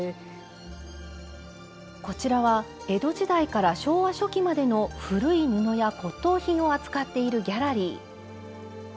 こちらは江戸時代から昭和初期までの古い布や骨とう品を扱っているギャラリー。